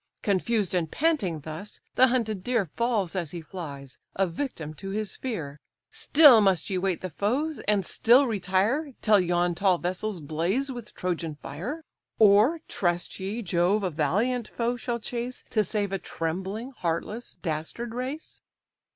Confused and panting thus, the hunted deer Falls as he flies, a victim to his fear. Still must ye wait the foes, and still retire, Till yon tall vessels blaze with Trojan fire? Or trust ye, Jove a valiant foe shall chase, To save a trembling, heartless, dastard race?"